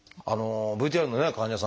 ＶＴＲの患者さん